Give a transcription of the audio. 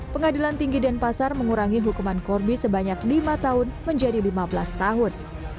pengadilan tinggi denpasar mengurangi hukuman corbi sebanyak lima tahun menjadi lima belas tahun